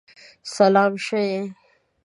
سلام شه یی!